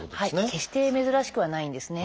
決して珍しくはないんですね。